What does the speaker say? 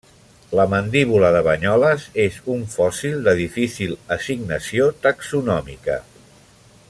La mandíbula de Banyoles és un fòssil de difícil assignació taxonòmica.